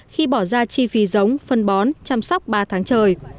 khi bỏ ra chi phí giống phân bón chăm sóc ba tháng trời